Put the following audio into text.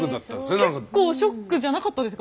結構ショックじゃなかったですか？